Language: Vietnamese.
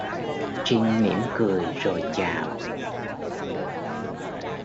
Trinh mỉm cười rồi chào